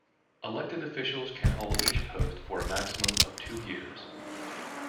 Elected officers can hold each post for a maximum of two years.